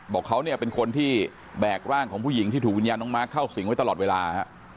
บอกเขาเนี่ยเป็นคนที่แบกร่างของผู้หญิงที่ถูกวิญญาณน้องมาร์คเข้าสิงไว้ตลอดเวลา